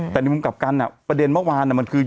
แต่ในมุมกลับกันประเด็นเมื่อวานมันคือ